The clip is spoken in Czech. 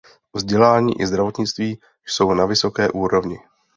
Vzdělání i zdravotnictví jsou na vysoké úrovni.